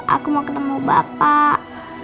aku mau ketemu bapak